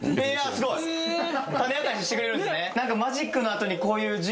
すごいタネ明かししてくれるんですね